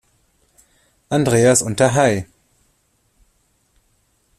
Andreas und der Hl.